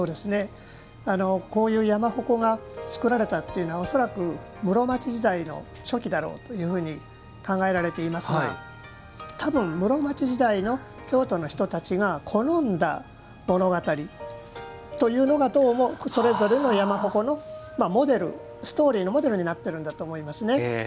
こういう山鉾が作られたっていうのは恐らく、室町時代の初期だろうというふうに考えられていますがたぶん、室町時代の京都の人たちが好んだ物語というのがどうも、それぞれの山鉾のストーリーのモデルになっているんだと思います。